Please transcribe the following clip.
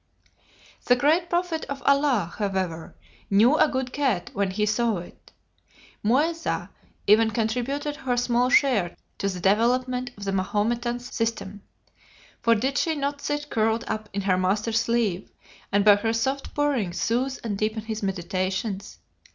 The great prophet of Allah, however, knew a good cat when he saw it. "Muezza" even contributed her small share to the development of the Mahometan system: for did she not sit curled up in her master's sleeve, and by her soft purring soothe and deepen his meditations?